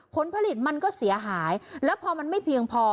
ผลผลิตมันก็เสียหายแล้วพอมันไม่เพียงพอ